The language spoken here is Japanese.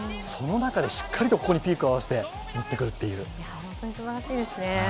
その中でしっかりとここにピークを合わせて持ってくるという。